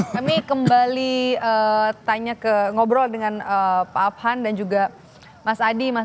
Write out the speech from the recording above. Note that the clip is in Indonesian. kami kembali tanya ke ngobrol dengan pak abhan dan juga mas adi